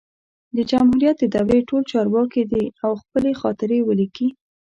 د جمهوریت د دورې ټول چارواکي دي او خپلي خاطرې ولیکي